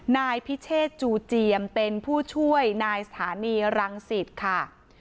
นายพิเชษจูเจียมเป็นผู้ช่วยนายสถานีรังสิตค่ะ